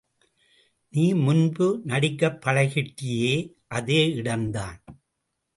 நீ முன்பு நடிக்கப் பழகிக்கிட்டியே அதே இடம்தான்.